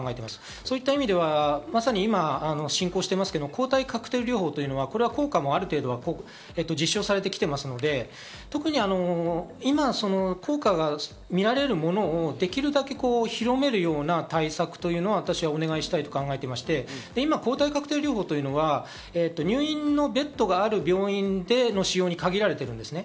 そういった意味では、まさに今進行してますけど、抗体カクテル療法というのが効果もある程度、実証されてきていますので、特に今、効果が見られるものをできるだけ広めるような対策というのは、私はお願いしたいと考えていて、抗体カクテル療法というのは今、入院のベッドがある病院での使用に限られるわけですね。